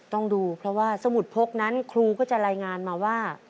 ต้องดูเพราะว่าสมุดพกนั้นครูก็จะรายงานมาว่า